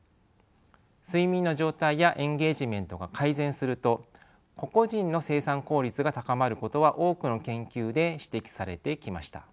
睡眠の状態やエンゲージメントが改善すると個々人の生産効率が高まることは多くの研究で指摘されてきました。